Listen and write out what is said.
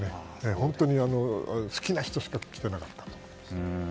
本当に好きな人しか来ていなかったですね。